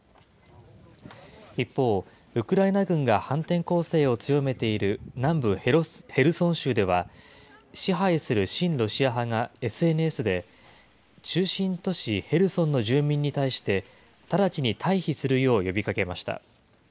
一方、ウクライナ軍が反転攻勢を強めている南部ヘルソン州では、支配する親ロシア派がＳＮＳで中心都市ヘルソンの住民に対して、直ちに退避するよう呼びかけました。